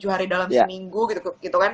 tujuh hari dalam seminggu gitu kan